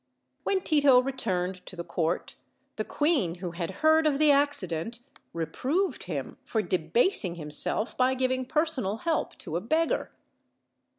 When Tito returned to the court the queen, who had heard of the accident, reproved him for "debasing him self by giving personal help to a beggar."